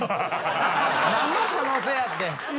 なんの可能性やってん。